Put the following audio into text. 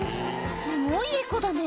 すごいエコだね。